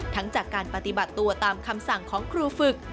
จากการปฏิบัติตัวตามคำสั่งของครูฝึก